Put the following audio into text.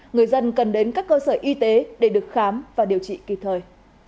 người dân cần đến các cơ sở y tế để được khám và điều trị kịp thời